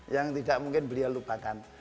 yang tidak mungkin beliau lupakan